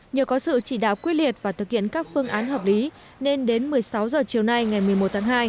nhờ có sự chỉ đạo quyết liệt và thực hiện các phương án hợp lý nên đến một mươi sáu h chiều nay ngày một mươi một tháng hai